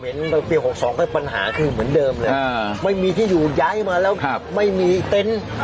ปี๖๒ก็ปัญหาคือเหมือนเดิมเลยไม่มีที่อยู่ย้ายมาแล้วไม่มีเต็นต์